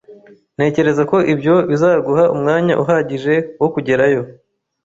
Ntekereza ko ibyo bizaguha umwanya uhagije wo kugerayo.